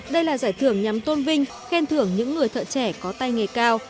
đây là giải thưởng nhằm tôn vinh khen thưởng những người thợ trẻ có tay nghề cao